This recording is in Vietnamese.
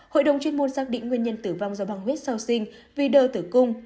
hội đồng chuyên môn xác định nguyên nhân tử vong do băng huyết sơ sinh vì đơ tử cung